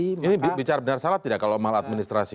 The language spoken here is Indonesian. ini bicara benar salah tidak kalau mal administrasi